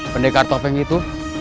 pendekar topeng itu